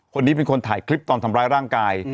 คนนี้เป็นคนถ่ายคลิปตอนทำร้ายร่างกาย